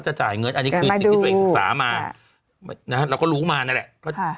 จะจ่ายเงินอันนี้นี่เราเองศึกษามาเราก็รู้มานั่นแหละ